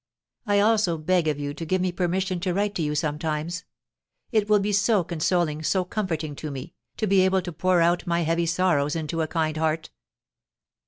I also beg of you to give me permission to write to you sometimes. It will be so consoling, so comforting to me, to be able to pour out my heavy sorrows into a kind heart.